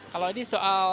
kalau ini soal